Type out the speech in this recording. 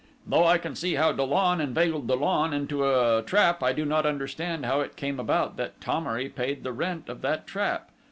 Though I can see how Dollon inveigled Dollon into a trap, I do not understand how it came about that Thomery paid the rent of that trap.